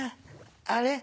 あれ？